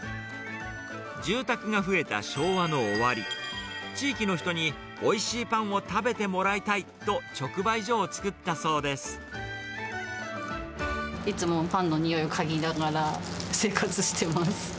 住宅が増えた昭和の終わり、地域の人においしいパンを食べてもらいたいと、直売所を作ったそいつも、パンの匂いをかぎながら生活してます。